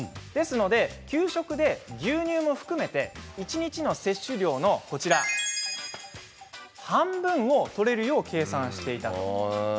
給食で牛乳も含めて一日の摂取量の半分をとれるよう計算していたんです。